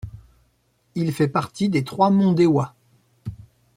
Il fait partie des Trois monts Dewa.